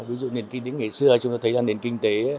ví dụ nền kinh tế ngày xưa chúng ta thấy là nền kinh tế